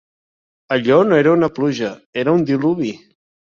Allò no era una pluja, era un diluvi.